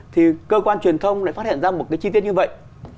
thì cơ quan truyền thông lại phát hiện ra một cái chi tiết như vậy